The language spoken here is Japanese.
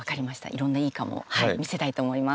いろんな「いいかも！」を見せたいと思います。